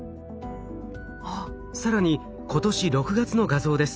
更に今年６月の画像です。